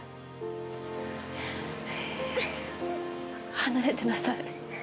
離れてなさい。